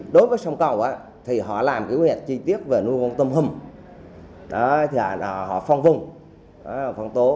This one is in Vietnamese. đối với sông cầu họ làm quy hoạch chi tiết về nuôi tôm hùm họ phong vùng phong tố